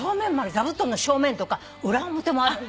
座布団の正面とか裏表もあるんだって。